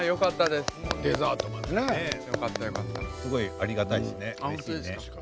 すごいありがたいですねうれしいね。